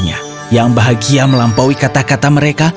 yang bahagia melampaui kata kata mereka